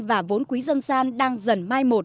và vốn quý dân gian đang dần mai một